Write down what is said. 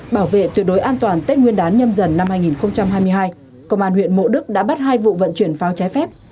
bảo vệ tuyệt đối an toàn tết nguyên đán nhâm dần năm hai nghìn hai mươi hai công an huyện mộ đức đã bắt hai vụ vận chuyển pháo trái phép